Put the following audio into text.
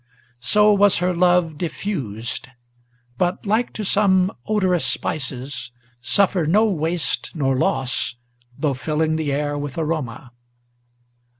So was her love diffused, but, like to some odorous spices, Suffered no waste nor loss, though filling the air with aroma.